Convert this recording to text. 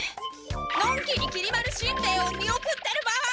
のんきにきり丸しんべヱを見送ってる場合ではない！